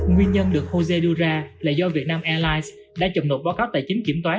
nguyên nhân được jose đưa ra là do việt nam airlines đã chậm nộp báo cáo tài chính kiểm toán